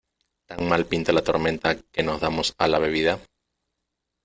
¿ tan mal pinta la tormenta que nos damos a la bebida?